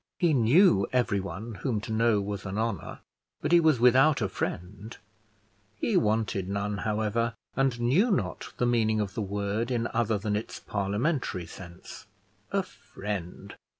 He knew everyone whom to know was an honour, but he was without a friend; he wanted none, however, and knew not the meaning of the word in other than its parliamentary sense. A friend!